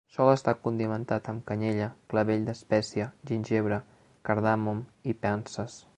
Sol estar condimentat amb canyella, clavell d'espècia, gingebre, cardamom i panses.